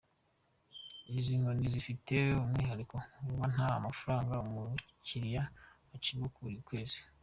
Izi konti zifite umwihariko w’uko nta mafaranga umukiliya acibwa ya buri kwezi.